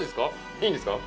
いいんですか？